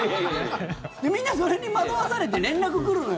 みんな、それに惑わされて連絡来るのよ。